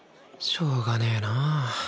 しょうがねえなぁ